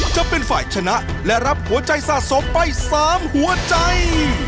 จะเป็นฝ่ายชนะและรับหัวใจสะสมไป๓หัวใจ